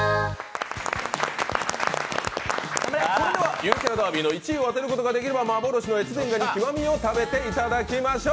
ゆるキャラダービーの１位を当てることができれば幻の越前がに極を食べていただきましょう。